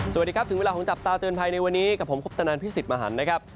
สวัสดีครับถึงเวลาของจับตาเตือนภัยในวันนี้กับผมคุปตนันพิสิทธิ์มหันนะครับ